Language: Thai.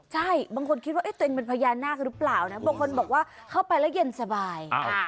ใช่บางคนคิดว่าตัวเองเป็นพญานาคหรือเปล่านะบางคนบอกว่าเข้าไปแล้วเย็นสบาย